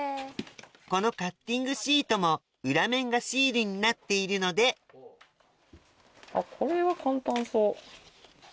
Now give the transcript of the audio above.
このカッティングシートも裏面がシールになっているのでこれは簡単そう。